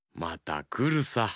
またくるさ。